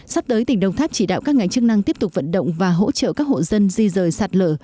sắp tới tỉnh đồng tháp chỉ đạo các ngành chức năng tiếp tục vận động và hỗ trợ các hộ dân di rời sạt lở